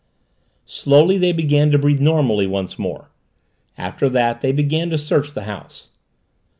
Slowly they began to breathe normally once more. After that they began to search the house.